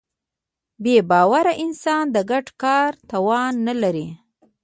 بېباوره انسان د ګډ کار توان نهلري.